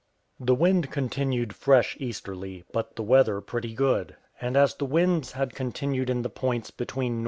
The wind continued fresh easterly, but the weather pretty good; and as the winds had continued in the points between NE.